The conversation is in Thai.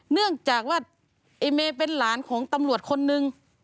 เนื่องจากว่าไอ้เมย์เป็นหลานของตำรวจคนนึง